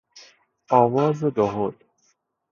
آواز دهل